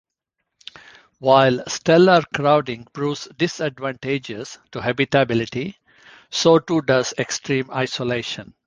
While stellar crowding proves disadvantageous to habitability, so too does extreme isolation.